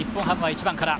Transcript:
１番から。